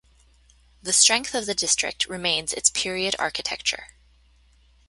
The strength of the district remains its period architecture.